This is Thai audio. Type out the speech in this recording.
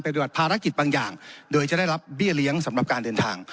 ปฏิบัติภารกิจบางอย่างโดยจะได้รับเบี้ยเลี้ยงสำหรับการเดินทาง